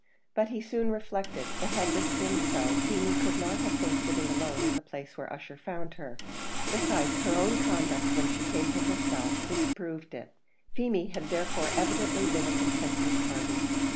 But he soon reflected that had this been so, Feemy could not have been sitting alone in the place where Ussher found her; besides, her own conduct when she came to herself disproved it. Feemy had therefore evidently been a consenting party.